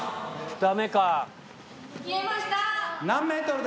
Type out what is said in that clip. ・ダメか。